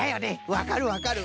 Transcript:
わかるわかる。